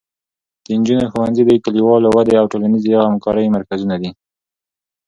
د نجونو ښوونځي د کلیوالو ودې او ټولنیزې همکارۍ مرکزونه دي.